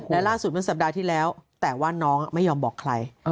และล่าสุดเมื่อสัปดาห์ที่แล้วแต่ว่าน้องไม่ยอมบอกใคร